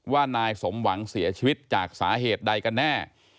ว่านายสมหวังเสียชีวิตจากสาเหตุใดกันแน่